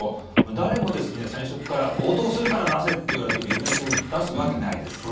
誰も最初から強盗するから出せと言われて身分証を出すわけないです。